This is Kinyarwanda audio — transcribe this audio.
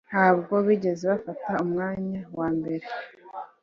ntabwo bigeze bafata umwanya wambere